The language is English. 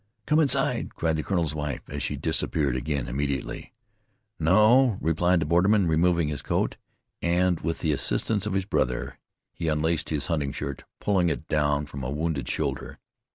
"Come inside," cried the colonel's wife, as she disappeared again immediately. "No," replied the borderman, removing his coat, and, with the assistance of his brother, he unlaced his hunting shirt, pulling it down from a wounded shoulder.